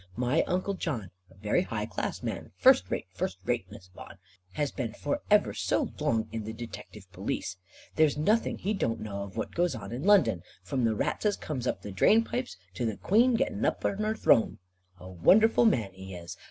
My Uncle John, a very high class man, first rate, first rate, Miss Vaughan, has been for ever so long in the detective police. There's nothing he don't know of what goes on in London, from the rats as comes up the drain pipes to the Queen getting up on her throne. A wonderful man he is.